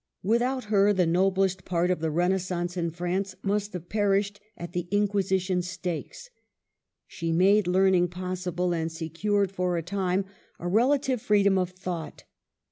Without her, the noblest part of the Renaissance in France must have perished at the Inquisition stakes. She made learning possible, and secured for a time a rela 3l6 MARGARET OF ANGOUL^ME. tive freedom of thought.